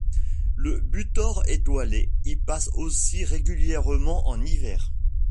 Le butor étoilé y passe aussi régulièrement en hiver.